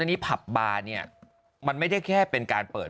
อันนี้ผับบาร์เนี่ยมันไม่ได้แค่เป็นการเปิด